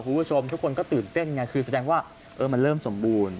ทุกคนก็ตื่นเต้นแสดงว่ามันเริ่มสมบูรณ์